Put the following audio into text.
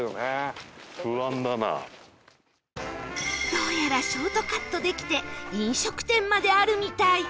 どうやらショートカットできて飲食店まであるみたい